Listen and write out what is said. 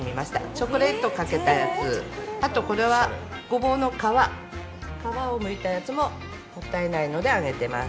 チョコレートをかけたやつ、これは、ごぼうの皮をむいたやつももったいないので揚げています。